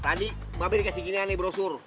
tadi mbak be dikasih ginian nih brosur